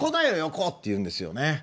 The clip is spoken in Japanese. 「横だよ横」って言うんですよね。